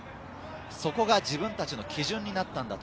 そこが自分たちの基準になったんだと。